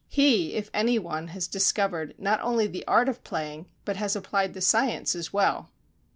He, if any one, has discovered not only the art of playing, but has applied the science as well!